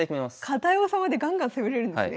堅い王様でガンガン攻めれるんですね。